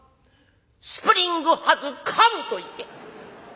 『スプリングハズカム！』と言って」。